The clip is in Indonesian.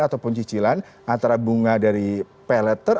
ataupun cicilan antara bunga dari pay letter